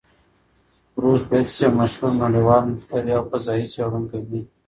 بروس بتز یو مشهور نړیوال مخترع او فضايي څېړونکی دی.